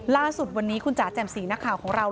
ล่าสุดวันนี้คุณจ๋าแจ่มสีนักข่าวของเรา